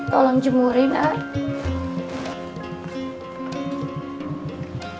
tolong jemurin pak